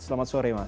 selamat sore mas